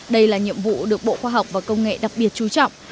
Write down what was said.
đây là nhiệm vụ được bộ khoa học và công nghệ đặc biệt chú trọng